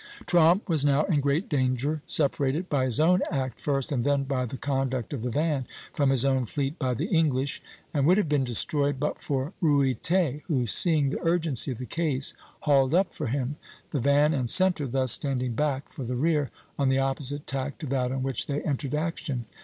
Tromp was now in great danger, separated [by his own act first and then by the conduct of the van] from his own fleet by the English, and would have been destroyed but for Ruyter, who, seeing the urgency of the case, hauled up for him," the van and centre thus standing back for the rear on the opposite tack to that on which they entered action.